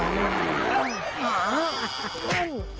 สวรรค์